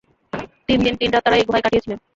তিন দিন তিন রাত তাঁরা এই গুহায় কাটিয়েছিলেন।